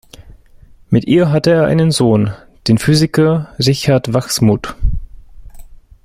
Mit ihr hatte er einen Sohn, den Physiker Richard Wachsmuth.